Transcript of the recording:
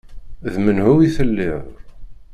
D menhu i telliḍ!